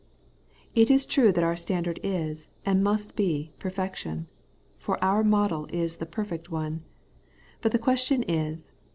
It is true that our standard is, and must be, perfection. For our model is the Perfect One. But the question is.